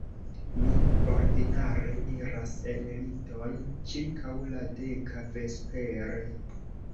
Mi ordinare iras en liton ĉirkaŭ la deka vespere.